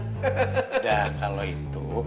udah kalau itu